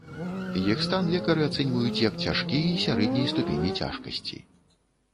Іх стан лекары ацэньваюць як цяжкі і сярэдняй ступені цяжкасці.